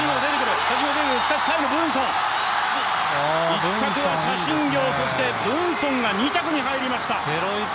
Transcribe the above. １着は謝震業、そしてブーンソンが２着に入りました。